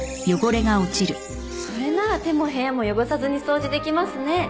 それなら手も部屋も汚さずに掃除できますね。